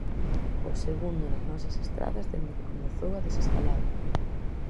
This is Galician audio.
O segundo nas nosas estradas dende que comezou a desescalada.